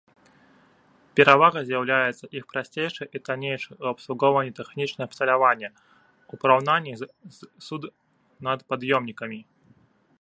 Перавагай з'яўляецца іх прасцейшае і таннейшае ў абслугоўванні тэхнічнае абсталяванне ў параўнанні з суднапад'ёмнікамі.